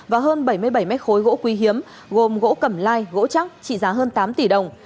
và hơn bảy mươi bảy m khối gỗ quy hiếm gồm gỗ cầm lai gỗ chắc trị giá hơn tám tỷ đồng